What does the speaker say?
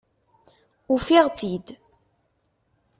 Ufiɣ-tt-id!